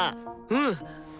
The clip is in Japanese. うん！